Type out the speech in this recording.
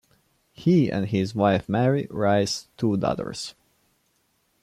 He and his wife Mary raised two daughters.